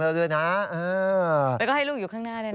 แล้วก็ให้ลูกอยู่ข้างหน้าด้วยนะ